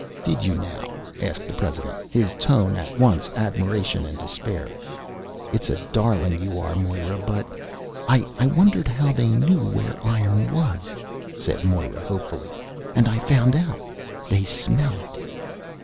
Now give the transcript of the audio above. "Did you now?" asked the president. His tone was at once admiration and despair. "It's a darlin' you are, Moira, but " "I ... wondered how they knew where iron was," said Moira hopefully, "and I found out. They smell it."